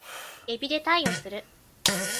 海老で鯛を釣る